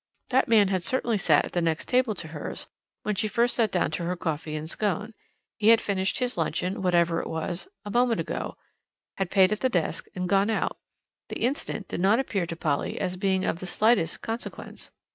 That man had certainly sat at the next table to hers, when she first sat down to her coffee and scone: he had finished his luncheon whatever it was moment ago, had paid at the desk and gone out. The incident did not appear to Polly as being of the slightest consequence.